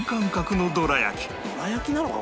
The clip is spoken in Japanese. どら焼きなのか？